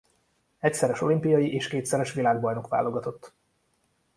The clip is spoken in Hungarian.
Egyszeres olimpiai és kétszeres világbajnok válogatott.